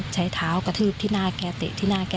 ใช้เถนใช้เถนที่หน้าแก